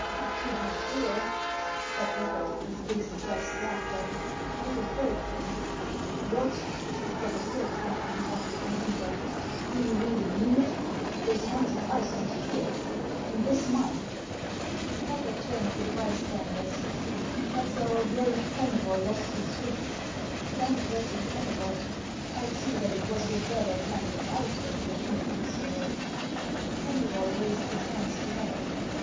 " To be sure," said Hacket, with ill suppressed laughter ;" are you afraid of him ?" "What!" for the third time interrupted the hunter; " do you really mean it, — is Hans of Iceland here, in this mine ?" HANS OF ICELAND. 353 Hacket turned to the bystanders :" Has our brave Kennybol lost his wits ?" Then, addressing Kennybol :" I see that it was your dread of Hans of Iceland which made you so late." Kennybol raised his hands to heaven.